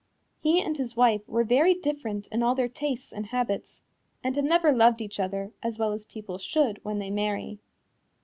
He and his wife were very different in all their tastes and habits, and had never loved each other as well as people should when they marry.